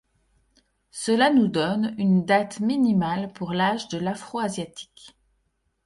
Cela nous donne une date minimale pour l'âge de l'Afro-asiatique.